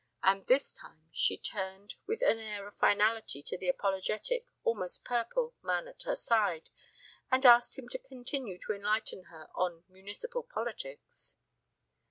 And this time she turned with an air of finality to the apologetic, almost purple, man at her side and asked him to continue to enlighten her on municipal politics.